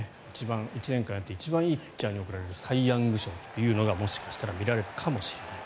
１年間やって一番いいピッチャーに贈られるサイ・ヤング賞がもしかしたら見られるかもしれない。